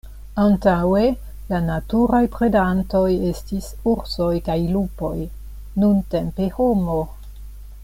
Antaŭe la naturaj predantoj estis ursoj kaj lupoj; nuntempe homo.